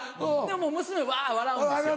もう娘「わぁ」笑うんですよ。